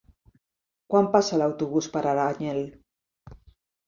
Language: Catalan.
Quan passa l'autobús per Aranyel?